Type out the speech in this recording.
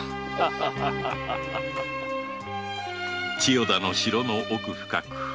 千代田の城の奥深く